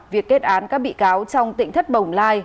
việc kết án các bị cáo trong tỉnh thất bồng lai